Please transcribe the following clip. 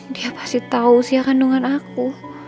dia pasti tau siapa kandungan aku